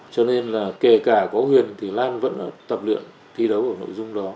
cho nên là kể cả có huyền thì lan vẫn tập luyện thi đấu ở nội dung đó